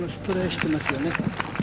トライしていますよね。